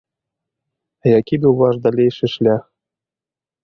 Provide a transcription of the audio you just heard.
А які быў ваш далейшы шлях?